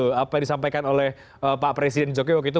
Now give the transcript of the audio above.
apa yang disampaikan oleh pak presiden jokowi waktu itu